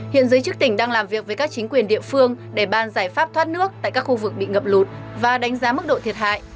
hiện giới chức tỉnh đang làm việc với các chính quyền địa phương để ban giải pháp thoát nước tại các khu vực bị ngập lụt và đánh giá mức độ thiệt hại